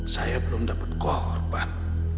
saya belum dapet korban